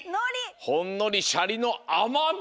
ほんのりしゃりのあまみ。